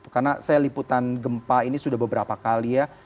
karena saya liputan gempa ini sudah beberapa kali ya